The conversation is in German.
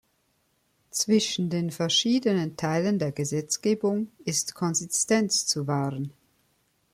Zwischen den verschiedenen Teilen der Gesetzgebung ist Konsistenz zu wahren.